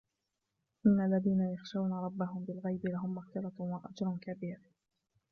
إِنَّ الَّذِينَ يَخْشَوْنَ رَبَّهُمْ بِالْغَيْبِ لَهُمْ مَغْفِرَةٌ وَأَجْرٌ كَبِيرٌ